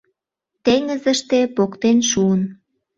Теҥызыште поктен шуын